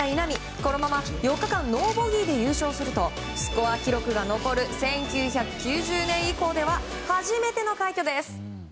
このまま４日間ノーボギーで優勝するとスコア記録が残る１９９０年以降では初めての快挙です。